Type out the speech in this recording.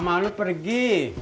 mama lu pergi